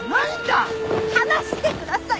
離してください！